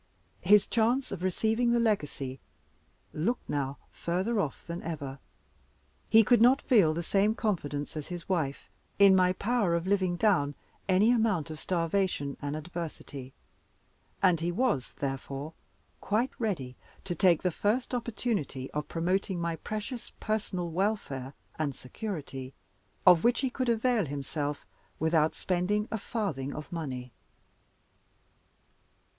His chance of receiving the legacy looked now further off than ever; he could not feel the same confidence as his wife in my power of living down any amount of starvation and adversity; and he was, therefore, quite ready to take the first opportunity of promoting my precious personal welfare and security, of which he could avail himself, without spending a farthing of money.